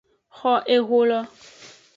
Xo eholo.